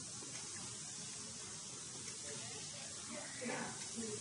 Jsem přesvědčen, že můj projev nebude mít odezvu.